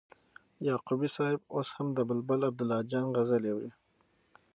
یعقوبی صاحب اوس هم د بلبل عبیدالله جان غزلي اوري